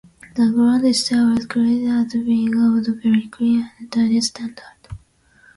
The ground itself is credited as being of a very clean and tidy standard.